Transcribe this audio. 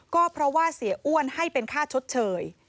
ก็เพราะว่าเสียอ้วนให้เป็นค่าชดเชย